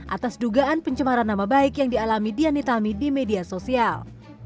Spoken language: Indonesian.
atas dugaan pencemaran nama baik yang dialami dianitami di media sosial